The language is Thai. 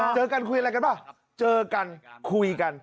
เจอกันคุยอะไรกันป่ะเจอกันคุยกัน